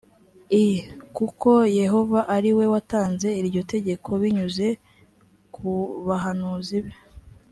i kuko yehova ari we watanze iryo tegeko binyuze ku bahanuzi be